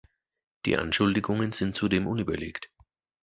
Die Anschuldigungen sind zudem unüberlegt.